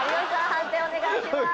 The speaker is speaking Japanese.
判定お願いします。